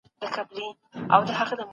محمدامان حاجي سلطان محمد خالص